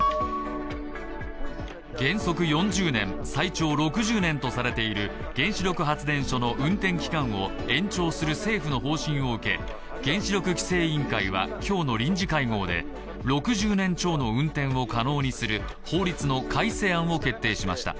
原則４０年最長６０年とされている原子力発電所の運転期間を延長する政府の方針を受け、原子力規制委員会は今日の臨時会合で６０年超の運転を可能にする、法律の改正案を決定しました。